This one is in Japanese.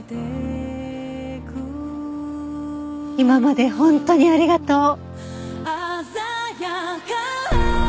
今まで本当にありがとう。